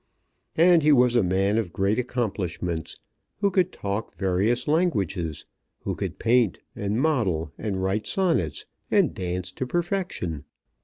And he was a man of great accomplishments, who could talk various languages, who could paint, and model, and write sonnets, and dance to perfection.